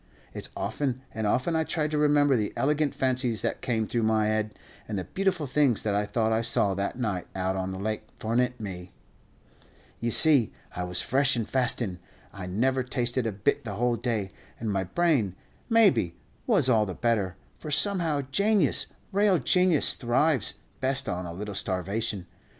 It's often and often I tried to remember the elegant fancies that came through my head, and the beautiful things that I thought I saw that night out on the lake fornint me! Ye see I was fresh and fastin'; I never tasted a bit the whole day, and my brain, maybe, was all the better; for somehow janius, real janius, thrives best on a little starvation.